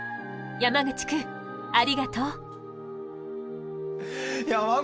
山口くんありがとう！